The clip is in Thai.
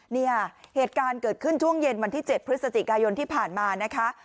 เนี่ยเหตุการณ์เกิดขึ้นช่วงเย็นวันที่๗พฤศจิกายนที่ผ่านมานะคะ